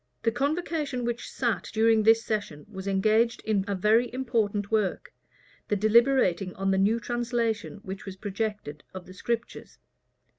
The convocation which sat during this session was engaged in a very important work, the deliberating on the new translation which was projected of the Scriptures.